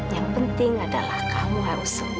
yang penting adalah kamu harus sembuh